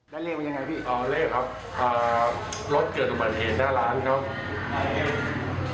ได้เลขวันยังไงพี่เอาเลขครับอ่ารถเกิดอุบัติเหตุหน้าร้านครับ